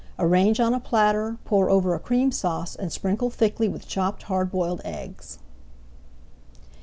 Arrange on a platter, pour over a Cream Sauce and sprinkle thickly with chopped hard boiled eggs.